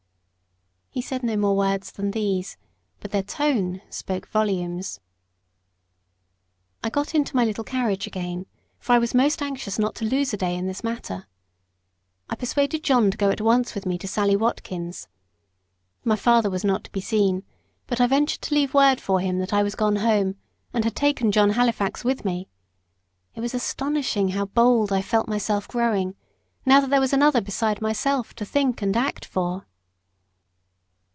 He said no more words than these but their tone spoke volumes. I got into my little carriage again, for I was most anxious not to lose a day in this matter. I persuaded John to go at once with me to Sally Watkins. My father was not to be seen; but I ventured to leave word for him that I was gone home, and had taken John Halifax with me: it was astonishing how bold I felt myself growing, now that there was another beside myself to think and act for.